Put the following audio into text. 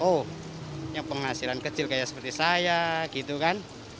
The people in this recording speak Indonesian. oh yang penghasilan kecil kayak seperti saya gitu kan